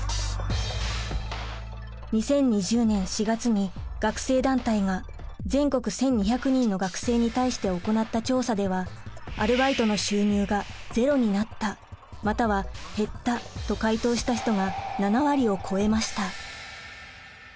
２０２０年４月に学生団体が全国１，２００人の学生に対して行った調査ではアルバイトの収入がゼロになったまたは減ったと回答した人が７割を超えました。